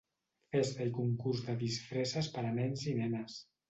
Festa i concurs de disfresses per a nens i nenes.